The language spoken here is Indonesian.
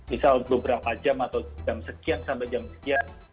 misal beberapa jam atau jam sekian sampai jam sekian